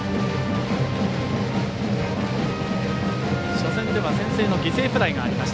初戦では先制の犠牲フライがありました